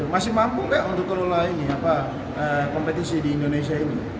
masih mampu gak untuk kelola kompetisi di indonesia ini